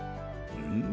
うん？